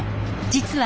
実は